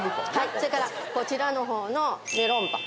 それからこちらのほうのメロンパン。